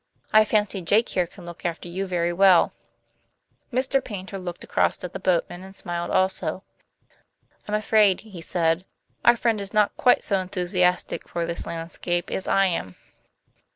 "I fancy Jake here can look after you very well." Mr. Paynter looked across at the boatman and smiled also. "I am afraid," he said, "our friend is not quite so enthusiastic for this landscape as I am."